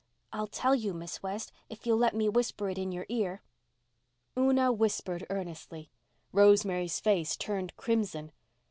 I'll tell you, Miss West, if you'll let me whisper it in your ear." Una whispered earnestly. Rosemary's face turned crimson.